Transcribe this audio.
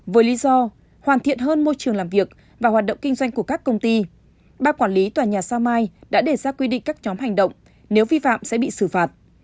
với lý do hoàn thiện hơn môi trường làm việc và hoạt động kinh doanh của các công ty ba quản lý tòa nhà sao mai đã đề ra quy định các nhóm hành động nếu vi phạm sẽ bị xử phạt